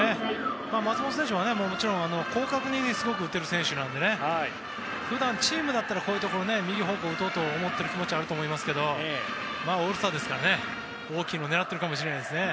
松本選手はもちろん、すごく広角に打てる選手なので普段、チームだったらこういうところで右方向に思っている気持ちはあると思うんですけどオールスターですから大きいのを狙っているかも知れないですね。